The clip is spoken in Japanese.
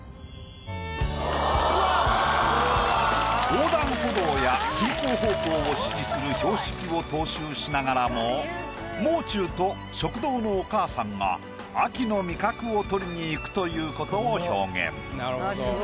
横断歩道や進行方向を指示する標識を踏襲しながらももう中と食堂のおかあさんが秋の味覚を採りに行くということを表現。